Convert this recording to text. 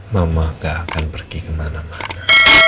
mama gak akan pergi kemana mana